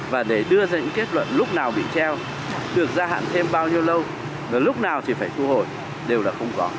và để đưa ra những kết luận lúc nào bị treo được gia hạn thêm bao nhiêu lâu và lúc nào thì phải thu hồi đều là không có